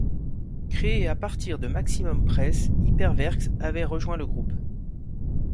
Créé à partir de Maximum Press, Hyperwerks avait rejoint le groupe.